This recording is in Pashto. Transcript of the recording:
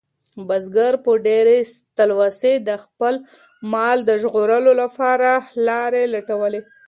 بزګر په ډېرې تلوسې د خپل مال د ژغورلو لپاره لارې لټولې.